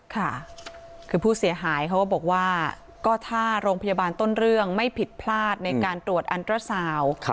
ค่ะคือผู้เสียหายเขาก็บอกว่าก็ถ้าโรงพยาบาลต้นเรื่องไม่ผิดพลาดในการตรวจอันตราสาว